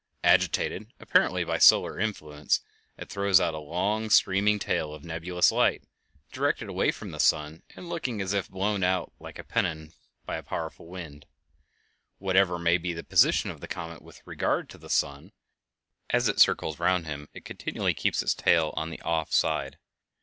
Agitated apparently by solar influence, it throws out a long streaming tail of nebulous light, directed away from the sun and looking as if blown out like a pennon by a powerful wind. Whatever may be the position of the comet with regard to the sun, as it circles round him it continually keeps its tail on the off side.